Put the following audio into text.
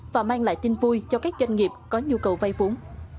và mang lại tin vui cho các doanh nghiệp có nhu cầu vay vốn